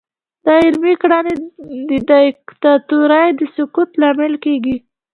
دا عملي کړنې د دیکتاتورۍ د سقوط لامل کیږي.